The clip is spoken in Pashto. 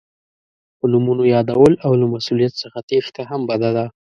په نومونو یادول او له مسؤلیت څخه تېښته هم بده ده.